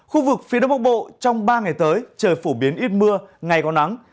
khu vực phía đông bắc bộ trong ba ngày tới trời phổ biến ít mưa ngày có nắng